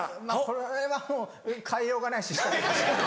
これはもう変えようがないし。